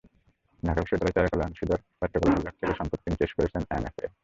ঢাকা বিশ্ববিদ্যালয়ের চারুকলা অনুষদের প্রাচ্যকলা বিভাগ থেকে সম্প্রতি তিনি শেষ করেছেন এমএফএ।